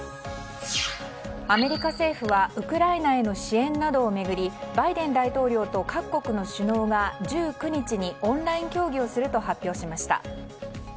アメリカ政府はウクライナへの支援などを巡りバイデン大統領と各国の首脳が１９日にオンライン協議をすると発表しました。